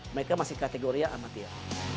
mereka masih kategori amatir